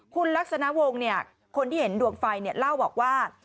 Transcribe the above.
คุณลักษณะวงคนที่เห็นดวงไฟเล่าบอกว่า